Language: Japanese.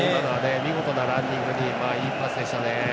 見事なランニングでいいパスでしたね。